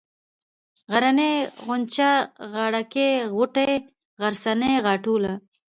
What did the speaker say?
غرنۍ ، غونچه ، غاړه كۍ ، غوټۍ ، غرڅنۍ ، غاټوله